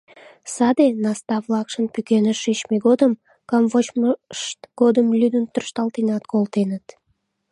Саде наста-влакшын пӱкеныш шичме годым камвочмышт годым лӱдын-тӧршталтенат колтеныт.